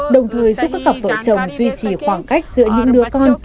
đồng thời giúp các cặp vợ chồng duy trì khoảng cách giữa những đứa con